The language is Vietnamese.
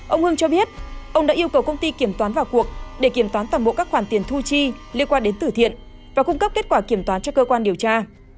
ông hưng cho biết ông đã yêu cầu công ty kiểm toán vào cuộc để kiểm toán toàn bộ các khoản tiền thu chi liên quan đến tử thiện và cung cấp kết quả kiểm toán cho cơ quan điều tra